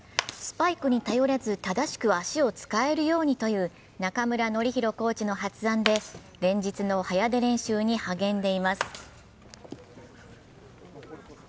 スパイクに頼らず正しく足を使えるようにという中村紀洋コーチの発案で連日の早出練習に励んでいます。